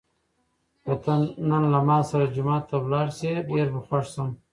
که ته نن له ما سره جومات ته لاړ شې، ډېر به خوښ شم.